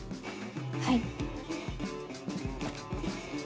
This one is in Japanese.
はい。